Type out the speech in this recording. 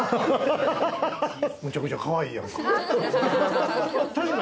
むちゃくちゃかわいいやんか。